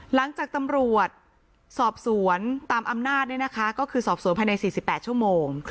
หลังจากตำรวจสอบสวนตามอำนาจก็คือสอบสวนภายใน๔๘ชั่วโมง